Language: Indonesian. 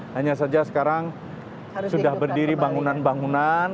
hanya saja sekarang sudah berdiri bangunan bangunan